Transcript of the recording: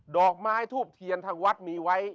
ดอกไม้ทูบเทียนทางวัดมีไว้